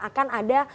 akan ada potensi